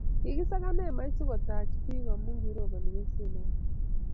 kikisakan hemait sikutach biik amu kiroboni besie noto.